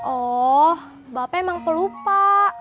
oh bapak emang pelupa